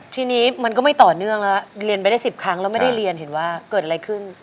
ทีนี้มันก็ไม่ต่อเนื่องแล้วเรียนไปได้๑๐ครั้งแล้วไม่ได้เรียนเห็นว่าเกิดอะไรขึ้น